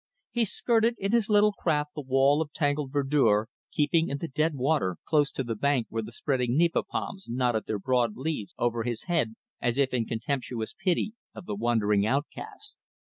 He skirted in his little craft the wall of tangled verdure, keeping in the dead water close to the bank where the spreading nipa palms nodded their broad leaves over his head as if in contemptuous pity of the wandering outcast.